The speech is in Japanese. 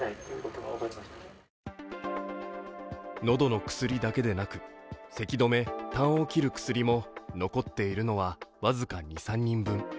喉の薬だけでなく、せき止め、たんを切る薬も残っているのは僅か２３人分。